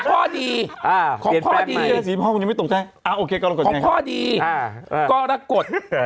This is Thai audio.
อ่ะพ่อดีของพ่อดีของที่ก็เรากด